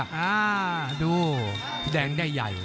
อ่าดูแดงได้ใหญ่